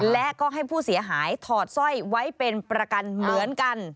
และก็ให้ผู้เสียหายถอดสร้อยไว้เป็นประกันเหมือนกัน